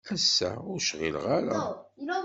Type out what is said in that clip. Ass-a, ur cɣileɣ ara.